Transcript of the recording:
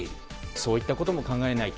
そういったことも考えないと。